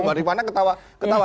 mbak ripana ketawa